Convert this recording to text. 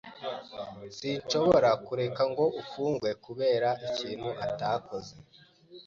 Sinshobora kureka ngo afungwe kubera ikintu atakoze.